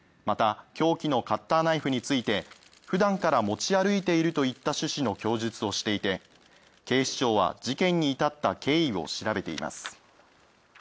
また、凶器のカッターナイフについて普段から持ち歩いているといった趣旨の供述をしていて警視庁は事件に至った経緯を調べています。